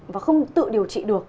và không tự điều trị được